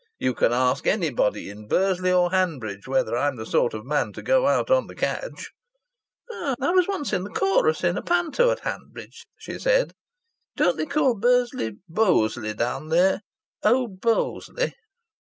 "You can ask anybody in Bursley or Hanbridge whether I'm the sort of man to go out on the cadge." "I once was in the chorus in a panto at Hanbridge," she said. "Don't they call Bursley 'Bosley' down there 'owd Bosley'?"